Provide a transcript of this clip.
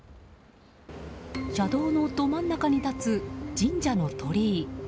車道のど真ん中に立つ神社の鳥居。